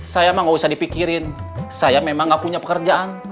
saya emang gak usah dipikirin saya memang gak punya pekerjaan